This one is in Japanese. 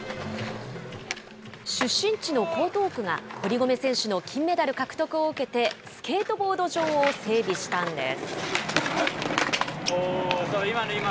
出身地の江東区が、堀米選手の金メダル獲得を受けて、スケートボード場を整備したんです。